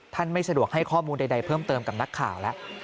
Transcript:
ไม่สะดวกให้ข้อมูลใดเพิ่มเติมกับนักข่าวแล้ว